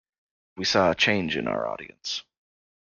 We saw a change in our audience.